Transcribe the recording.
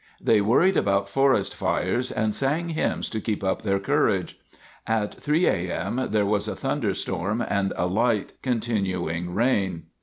They worried about forest fires, and sang hymns to keep up their courage. At 3:00 A. M. there was a thunderstorm and a light, continuing rain.